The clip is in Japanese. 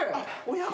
親子？